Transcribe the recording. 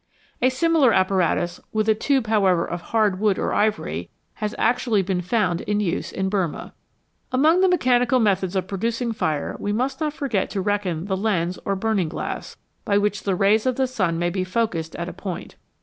A similar apparatus, with a tube, however, of hard wood or ivory, has actually been found in use in Burmah. Among the mechanical methods of producing fire we must not forget to reckon the lens or burning glass, by which the rays of the sun may be focussed at a point.